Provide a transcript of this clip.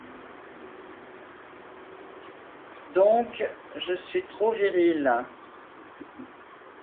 Donc je suis trop viril ?